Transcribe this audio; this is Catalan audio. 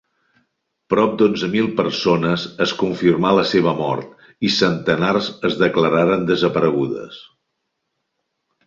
Prop d'onze mil persones es confirmà la seva mort i centenars es declararen desaparegudes.